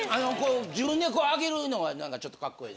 自分でこう上げるのが何かちょっとかっこいい。